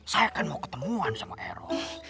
saya kan mau ketemuan sama error